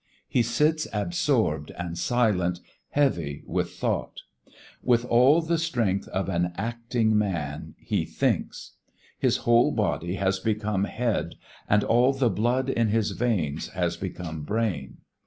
He sits absorbed and silent, heavy with thought: with all the strength of an acting man he thinks. His whole body has become head and all the blood in his veins has become brain.